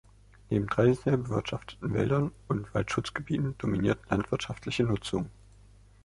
Neben traditionell bewirtschafteten Wäldern und Wald-Schutzgebieten dominiert landwirtschaftliche Nutzung.